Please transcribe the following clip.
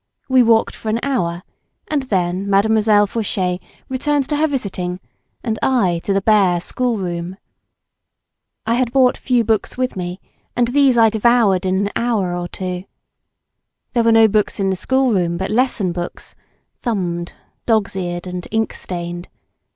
We walked for an hour, and then Mademoiselle Fauchet returned to her visiting and I to the bare schoolroom. I had brought few books with me and these I devoured in an hour or two. There were no books in the schoolroom but lesson books, thumbed, dog's eared and ink stained.